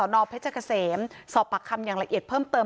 นเพชรเกษมสอบปากคำอย่างละเอียดเพิ่มเติม